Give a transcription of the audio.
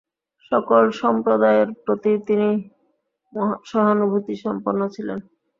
সকল সম্প্রদায়ের প্রতিই তিনি সহানুভূতিসম্পন্ন ছিলেন।